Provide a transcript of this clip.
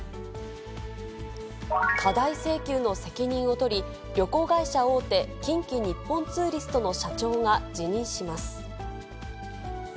過大請求の責任を取り、旅行会社大手、近畿日本ツーリストの社長が辞任します。